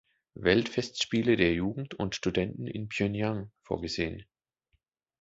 Weltfestspiele der Jugend und Studenten in Pjöngjang vorgesehen.